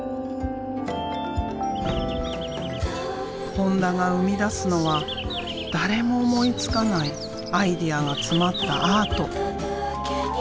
本田が生み出すのは誰も思いつかないアイデアが詰まったアート。